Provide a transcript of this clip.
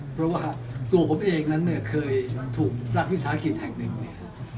เพราะว่าตัวผมเองนั้นเคยถูกรักวิทยาศาสตร์อาคิดแห่งหนึ่ง